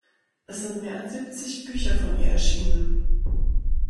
Es sind mehr als siebzig Bücher von ihr erschienen.